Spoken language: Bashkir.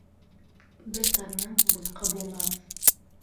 Бер тарынан бутҡа булмаҫ